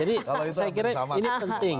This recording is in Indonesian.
jadi saya kira ini penting